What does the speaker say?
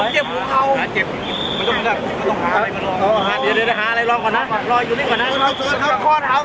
เชื่อของข้อข้างสาย